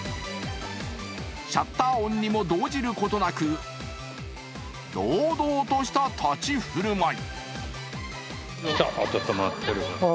シャッター音にも動じることなく、堂々とした立ち振る舞い。